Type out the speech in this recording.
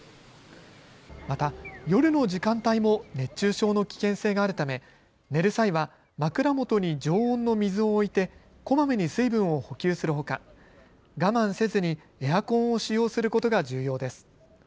また夜の時間帯も熱中症の危険性があるため寝る際は枕元に常温の水を置いてこまめに水分を補給するほか我慢せずにエアコンを使用することが重要です。